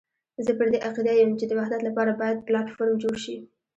زه پر دې عقيده یم چې د وحدت لپاره باید پلاټ فورم جوړ شي.